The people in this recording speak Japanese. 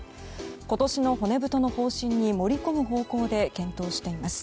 今年の骨太の方針に盛り込む方向で検討しています。